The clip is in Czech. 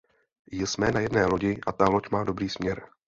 Jsme na jedné lodi a ta loď má dobrý směr.